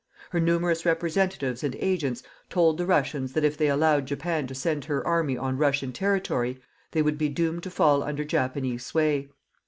Her numerous representatives and agents told the Russians that if they allowed Japan to send her army on Russian territory, they would be doomed to fall under Japanese sway.